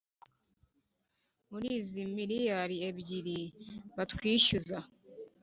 muri izi miliyari ebyiri batwishyuza